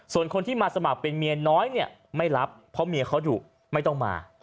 ส่วนคนที่มาสมัครเป็นเมียน้อยเนี่ยไม่รับเพราะเมียเขาดุไม่ต้องมา